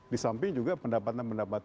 di samping juga pendapatan pendapat